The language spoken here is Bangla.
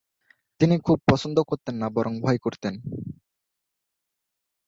তিনি খুব পছন্দ করতেন না বরং ভয় করতেন।